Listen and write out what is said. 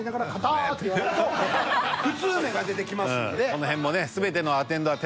その辺もね。